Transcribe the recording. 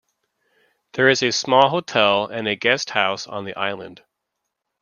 There is a small hotel and a guest house on the island.